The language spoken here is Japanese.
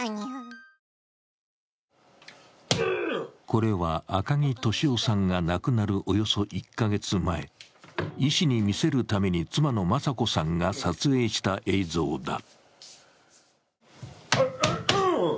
これは赤木俊夫さんが亡くなるおよそ１か月前医師に見せるために妻の雅子さんが撮影した映像だ。